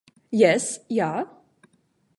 Jes, ja?